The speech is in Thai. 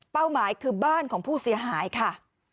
หมายคือบ้านของผู้เสียหายค่ะ